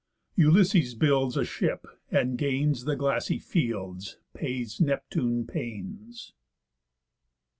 Ulysses builds A ship; and gains The glassy fields; Pays Neptune pains.